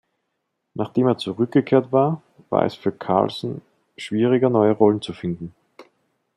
Nachdem er zurückgekehrt war, war es für Carlson schwieriger neue Rollen zu finden.